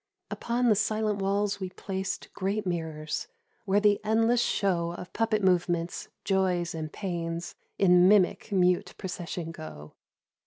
Upon the silent walls we placed Great mirrors, where the endless show Of puppet movements, joys and pains, In mimic mute procession go.